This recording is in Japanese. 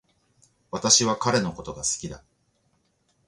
私は彼のことが好きだ